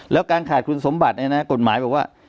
แล้วการขาดคุณสมบัติเนี่ยนะกฎหมายบอกว่า